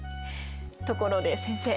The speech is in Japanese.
ところで先生。